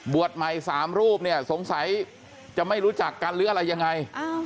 ใหม่๓รูปเนี่ยสงสัยจะไม่รู้จักกันหรืออะไรยังไง